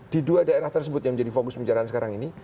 di dua daerah tersebut yang menjadi fokus pembicaraan sekarang ini